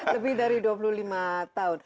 lebih dari dua puluh lima tahun